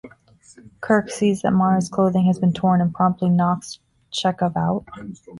Kirk sees that Mara's clothing has been torn and promptly knocks Chekov out.